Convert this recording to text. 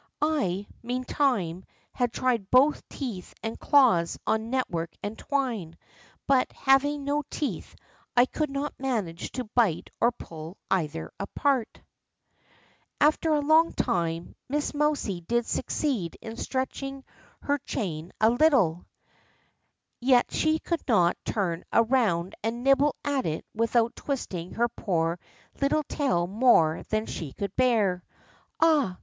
I, meantime, had tried both teeth and claws on network and twine, but, having no under teeth, I could not manage to bite or pull either apart. 92 THE ROCK FROG After a long time, Miss Mousie did succeed in stretching her chain a little, yet she could not turn around and nibble at it without twisting her poor little tail more than she could bear. Ah